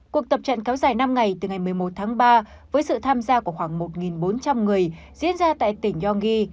cuộc tập trận kéo dài năm ngày từ ngày một mươi một tháng ba với sự tham gia của khoảng một bốn trăm linh người diễn ra tại tỉnh yonggi